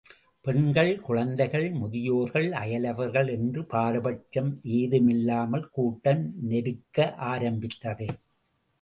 பெண்கள், குழந்தைகள், முதியோர்கள், அயலவர்கள் என்ற பாரபட்சம் ஏதுமில்லாமல் கூட்டம் நெருக்க ஆரம்பித்தது.